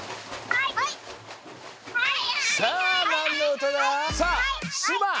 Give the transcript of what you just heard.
はいはい。